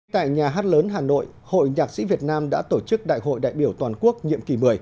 tại nhà hát lớn hà nội hội nhạc sĩ việt nam đã tổ chức đại hội đại biểu toàn quốc nhiệm kỳ một mươi